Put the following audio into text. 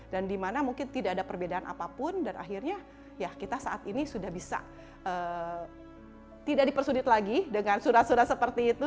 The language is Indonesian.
dan di mana mungkin tidak ada perbedaan apapun dan akhirnya kita saat ini sudah bisa tidak dipersudit lagi dengan surat surat seperti itu